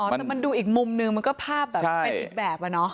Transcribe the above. แต่มันดูอีกมุมนึงมันก็ภาพแบบเป็นอีกแบบอะเนาะ